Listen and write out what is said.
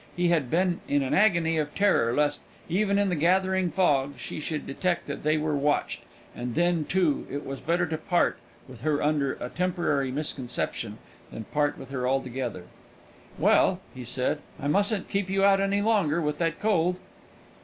He had been in an agony of terror, lest, even in the gathering fog, she should detect that they were watched; and then, too, it was better to part with her under a temporary misconception than part with her altogether. "Well," he said, "I mustn't keep you out any longer, with that cold."